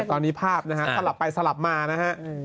ตอนนี้ภาพนะฮะสลับไปสลับมานะฮะ